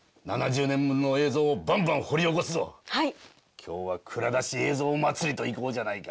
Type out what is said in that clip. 今日は蔵出し映像まつりといこうじゃないか。